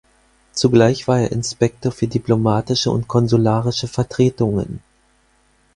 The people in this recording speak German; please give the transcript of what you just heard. Zugleich war er Inspektor für diplomatische und konsularische Vertretungen.